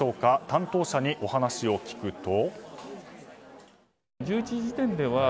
担当者にお話を聞くと。